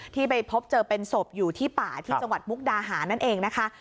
ที่ไปพบเจอเป็นศพอยู่ที่ป่าที่จังหวัดมุกดาหารนั่นเองนะคะ